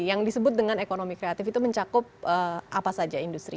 yang disebut dengan ekonomi kreatif itu mencakup apa saja industri